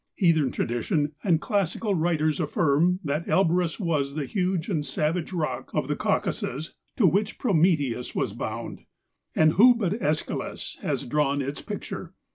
Heathen tradition, and classical writers affirm that Elborus was the huge and savage rock of the Cau¬ casus to which Prometheus was bound. And who but /Eschylus has drawn its picture